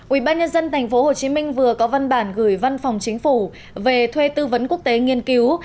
ủy ban nhân dân tp hcm vừa có văn bản gửi văn phòng chính phủ về thuê tư vấn quốc tế nghiên cứu